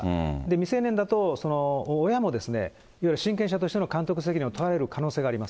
未成年だと、親もいわゆる親権者としての監督責任を問われる可能性もあります